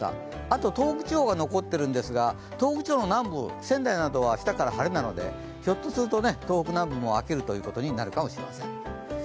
あと東北地方が残っているんですが東北地方の南部、仙台などは明日から晴れなのでひょっとすると東北南部も明けることになるかもしれません。